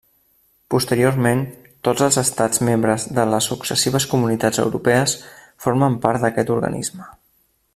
Posteriorment tots els estats membres de les successives Comunitats Europees forment part d'aquest organisme.